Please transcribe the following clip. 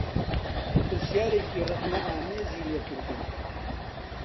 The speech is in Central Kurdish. پرسیارێکی ڕخنەئامێزی لێ کردم